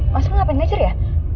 masal ngapain ngejar ya